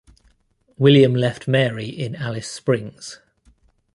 William left Mary in Alice Springs.